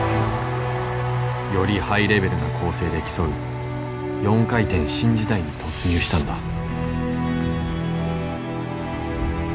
よりハイレベルな構成で競う４回転新時代に突入したのだ。